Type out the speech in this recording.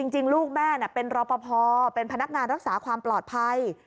จริงลูกแม่เป็นรอปภเป็นพนักงานรักษาความปลอดภัย